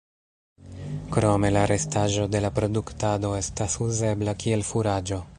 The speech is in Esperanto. Krome la restaĵo de la produktado estas uzebla kiel furaĝo.